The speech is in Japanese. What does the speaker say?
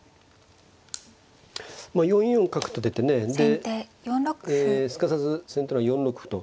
まあ４四角と出てねですかさず先手の方が４六歩と。